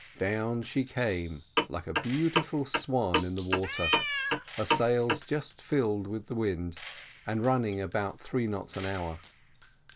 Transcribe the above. Down she came like a beautiful swan in the water, her sails just filled with the wind, and running about three knots an hour.